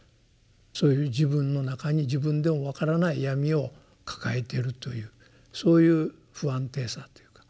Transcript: そういう自分の中に自分でも分からない闇を抱えているというそういう不安定さというか。